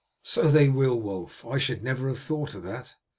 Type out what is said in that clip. "So they will, Wulf; I should never have thought of that."